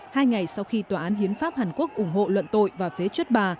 hai ngày sau khi tòa án hiến pháp hàn quốc ủng hộ luận tội và phế chất bà